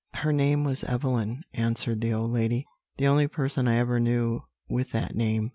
"Her name was Evelyn," answered the old lady; "the only person I ever knew with that name."